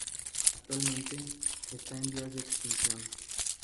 Actualmente está en vías de extinción.